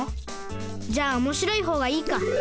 じゃあおもしろいほうがいいか。